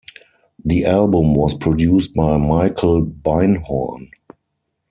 The album was produced by Michael Beinhorn.